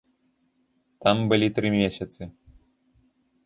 Там былі тры месяцы.